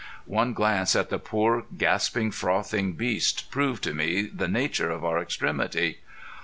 One glance at the poor, gasping, frothing beasts, proved to me the nature of our extremity.